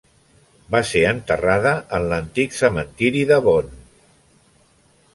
Va ser enterrada en l'antic cementiri de Bonn.